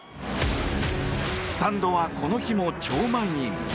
スタンドはこの日も超満員。